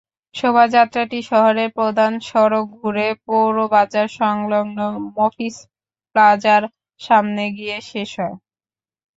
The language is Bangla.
শোভাযাত্রাটি শহরের প্রধান সড়ক ঘুরে পৌরবাজার-সংলগ্ন মফিজ প্লাজার সামনে গিয়ে শেষ হয়।